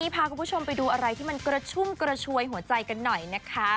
พาคุณผู้ชมไปดูอะไรที่มันกระชุ่มกระชวยหัวใจกันหน่อยนะคะ